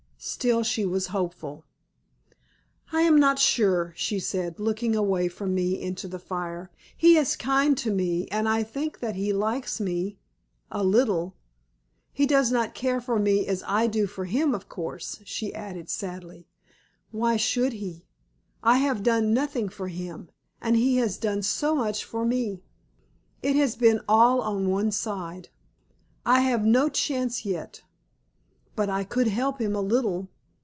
Still she was hopeful. "I am not sure," she said, looking away from me into the fire. "He is kind to me, and I think that he likes me a little. He does not care for me as I do for him, of course," she added, sadly. "Why should he? I have done nothing for him, and he has done so much for me. It has been all on one side. I have had no chance yet; but I could help him a little.